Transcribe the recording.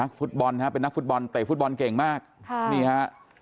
ฟุตบอลฮะเป็นนักฟุตบอลเตะฟุตบอลเก่งมากค่ะนี่ฮะ